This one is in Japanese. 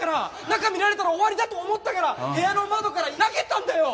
中見られたら終わりだと思ったから部屋の窓から投げたんだよ。